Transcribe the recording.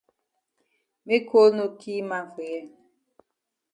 Make cold no ki man for here.